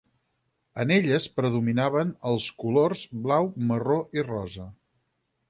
En elles predominaven els colors blau, marró i rosa.